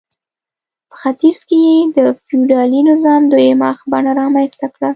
په ختیځ کې یې د فیوډالي نظام دویمه بڼه رامنځته کړه.